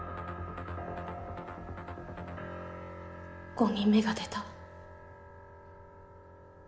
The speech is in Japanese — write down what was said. ５人目が出た。